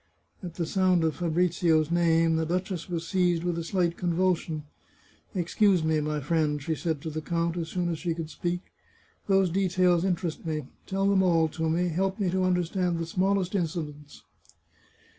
At the sound of Fabrizio's name the duchess was seized with a slight convulsion. " Excuse me, my friend," she said to the count, as soon as she could speak. " These details interest me. Tell them all to me ; help me to understand the smallest incidents."